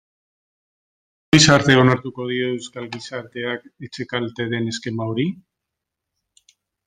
Noiz arte onartuko dio euskal gizarteak etxekalte den eskema hori?